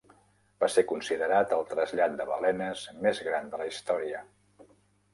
Va ser considerat el trasllat de balenes més gran de la història.